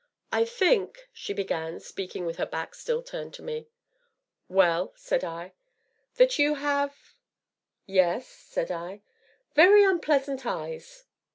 "I think " she began, speaking with her back still turned to me. "Well?" said I. " that you have " "Yes?" said I. " very unpleasant eyes!"